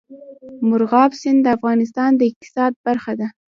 مورغاب سیند د افغانستان د اقتصاد برخه ده.